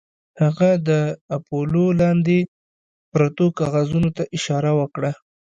هغه د اپولو لاندې پرتو کاغذونو ته اشاره وکړه